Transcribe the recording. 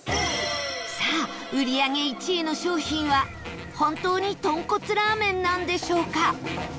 さあ、売り上げ１位の商品は本当に、とんこつラーメンなんでしょうか？